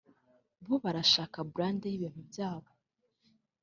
bo barashaka brand y’ibintu byabo